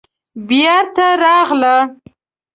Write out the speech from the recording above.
بېرته راغله.